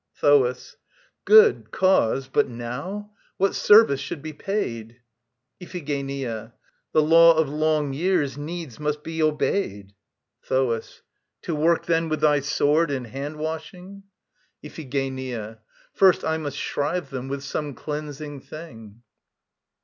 THOAS. Good cause. But now ... What service should be paid? IPHIGENIA. The Law of long years needs must be obeyed. THOAS. To work then, with thy sword and handwashing! IPHIGENIA. First I must shrive them with some cleansing thing.